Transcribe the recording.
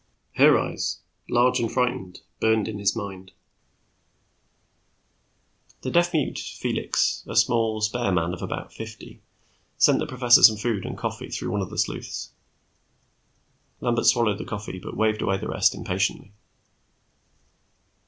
Her eyes, large and frightened, burned in his mind. The deaf mute, Felix, a small, spare man of about fifty, sent the professor some food and coffee through one of the sleuths. Lambert swallowed the coffee, but waved away the rest, impatiently.